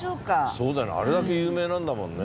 そうだよなあれだけ有名なんだもんね。